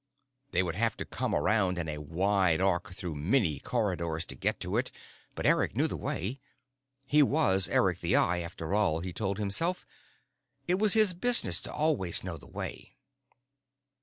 They would have to come around in a wide arc through many corridors to get to it, but Eric knew the way. He was Eric the Eye, after all, he told himself: it was his business always to know the way.